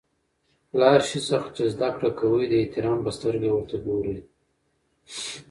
له هر شي څخه چي زدکړه کوى؛ د احترام په سترګه ورته ګورئ!